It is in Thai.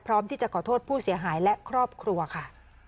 พร้อมที่จะขอโทษผู้เสียหายและครอบครัวค่ะ